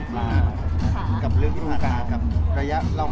แม็กซ์ก็คือหนักที่สุดในชีวิตเลยจริง